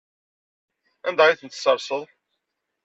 Anda ay tent-tesserseḍ?